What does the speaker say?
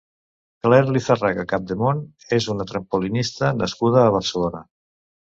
Claire Lizarraga Capdepon és una trampolinista nascuda a Barcelona.